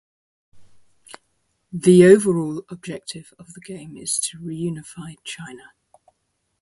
The overall objective of the game is to re-unify China.